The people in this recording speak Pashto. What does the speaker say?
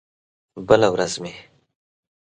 بله ورځ مې